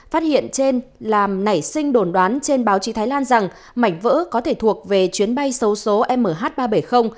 phát hiện trên làm nảy sinh đồn đoán trên báo chí thái lan rằng mảnh vỡ có thể thuộc về chuyến bay xấu số mh ba trăm bảy mươi